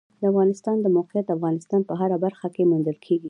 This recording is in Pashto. د افغانستان د موقعیت د افغانستان په هره برخه کې موندل کېږي.